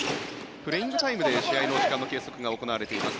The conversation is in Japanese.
プレーイングタイムで試合の時間の計測が行われています。